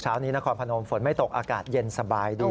นี้นครพนมฝนไม่ตกอากาศเย็นสบายด้วย